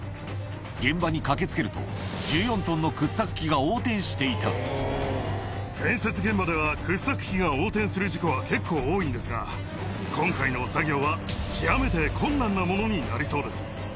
現場に駆けつけると、建設現場では、掘削機が横転する事故は結構多いんですが、今回の作業は極めて困難なものになりそうです。